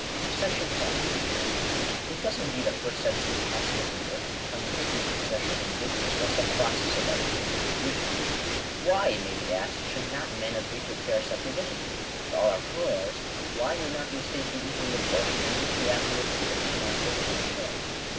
§5. It does indeed at first sight seem possible for the earth to become the exclusive possession of individuals by some process of equitable distribution. " Why," it may be asked, " should not men agree to a fair subdivision ? If all are co heirs, why may not the estate be equally apportioned, and each be after wards perfect master of his own share